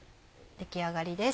出来上がりです。